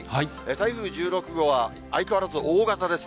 台風１６号は相変わらず大型です。